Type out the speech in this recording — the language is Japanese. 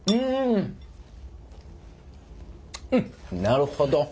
なるほど。